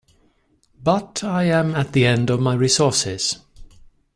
But I am at the end of my resources.